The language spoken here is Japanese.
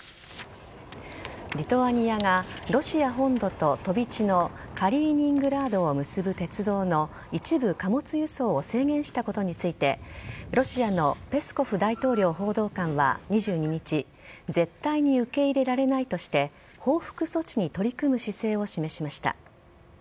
リトアニアがロシア本土と飛び地のカリーニングラードを結ぶ鉄道の一部貨物輸送を制限したことについてロシアのペスコフ大統領報道官は２２日絶対に受け入れられないとして報復措置に取り組む姿勢を示しました。